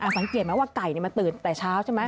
สังเกตไหมว่าไก่มันตื่นแต่เช้าใช่ไหม